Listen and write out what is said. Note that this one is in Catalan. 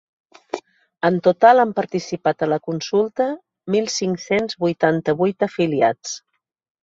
En total han participat a la consulta mil cinc-cents vuitanta-vuit afiliats.